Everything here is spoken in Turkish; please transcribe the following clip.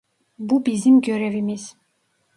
Bu bizim görevimiz.